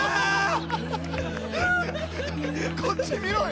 こっち見ろよ。